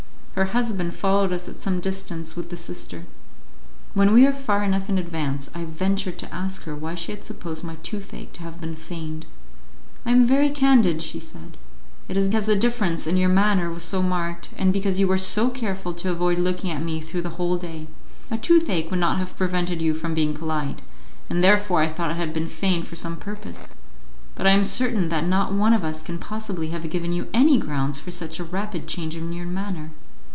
Her husband followed us at some distance with the sister. When we were far enough in advance, I ventured to ask her why she had supposed my toothache to have been feigned. "I am very candid," she said; "it is because the difference in your manner was so marked, and because you were so careful to avoid looking at me through the whole day. A toothache would not have prevented you from being polite, and therefore I thought it had been feigned for some purpose. But I am certain that not one of us can possibly have given you any grounds for such a rapid change in your manner."